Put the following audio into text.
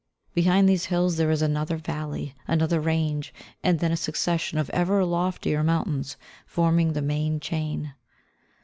Behind these hills there is another valley, another range, and then a succession of ever loftier mountains, forming the main chain.